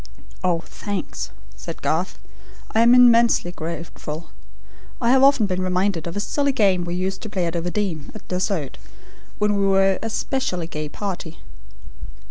"Oh, thanks," said Garth. "I am immensely grateful. I have often been reminded of a silly game we used to play at Overdene, at dessert, when we were a specially gay party.